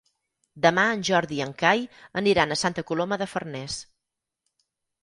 Demà en Jordi i en Cai aniran a Santa Coloma de Farners.